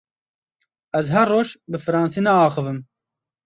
Ez her roj bi fransî naaxivim.